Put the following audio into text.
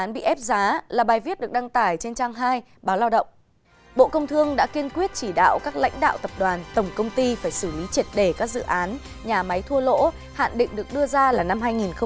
bộ công thương đã kiên quyết chỉ đạo các lãnh đạo tập đoàn tổng công ty phải xử lý triệt đề các dự án nhà máy thua lỗ hạn định được đưa ra là năm hai nghìn một mươi bảy